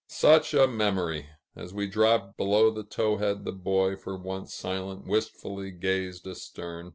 Such a memory! As we dropped below the Towhead, the Boy, for once silent, wistfully gazed astern.